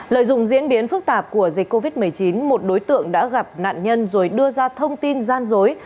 lợi dụng diễn biến phức tạp của dịch covid một mươi chín một đối tượng đã gặp nạn nhân rồi đưa ra thông tin gian dối